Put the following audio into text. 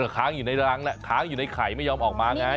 ค้างอยู่ในรังค้างอยู่ในไข่ไม่ยอมออกมาไง